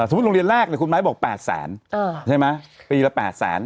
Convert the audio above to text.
สมมุติลงเรียนแรกแต่คุณไม้บอก๘แสนเออใช่ไหมปีละ๘แสน